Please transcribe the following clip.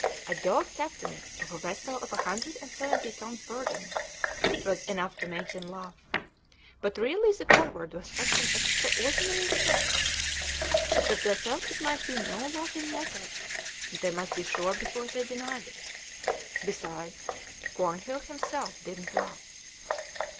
A dog captain of a vessel of a hundred and seventy tons burden! It was enough to make them laugh. But really the Forward was such an extraordinary ship that they felt it might be no laughing matter, and they must be sure before they denied it. Besides, Cornhill himself didn't laugh.